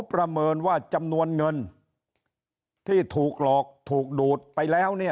ประเมินว่าจำนวนเงินที่ถูกหลอกถูกดูดไปแล้วเนี่ย